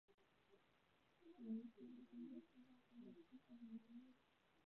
属名是以中国神话中的金凤凰来命名。